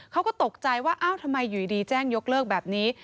เขาก็ตกใจว่าอ้าวทำไมอยู่ดีแจ้งยกเลิกแบบนี้